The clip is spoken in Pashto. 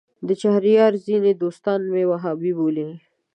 د چهاریارو ځینې دوستان مې وهابي بولي.